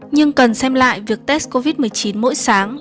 nhưng cần xem lại việc test covid một mươi chín mỗi sáng